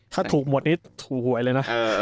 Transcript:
ถ้าถูกหมดนี้ถูกหวยเลยนะ